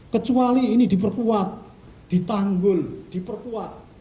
kecuali ini diperkuat ditanggul diperkuat